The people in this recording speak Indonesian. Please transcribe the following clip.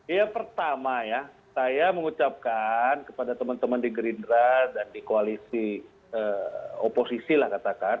ya pertama ya saya mengucapkan kepada teman teman di gerindra dan di koalisi oposisi lah katakan